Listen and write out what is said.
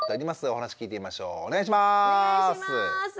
お願いします。